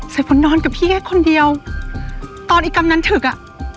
ฝนนอนกับพี่แค่คนเดียวตอนอีกกำนันถึงอ่ะ